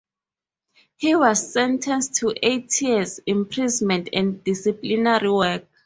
He was sentenced to eight years' imprisonment and disciplinary work.